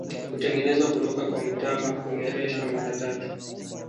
Hutengenezwa kutoka kwa mtama, hunereshwa mara tatu.